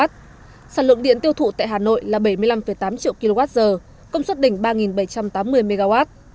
sản lượng điện tiêu thụ tại hà nội là bảy mươi năm tám triệu kwh công suất đỉnh ba bảy trăm tám mươi mw